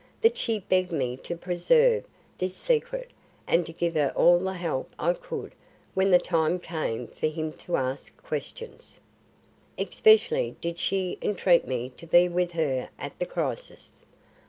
That she begged me to preserve this secret and to give her all the help I could when the time came for him to ask questions. Especially did she entreat me to be with her at the crisis.